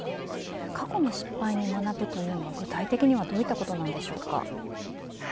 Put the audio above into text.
過去の失敗に学ぶというのは具体的にどういったことなんでしょうか。